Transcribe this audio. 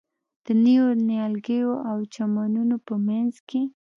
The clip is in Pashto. د نویو نیالګیو او چمنونو په منځ کې.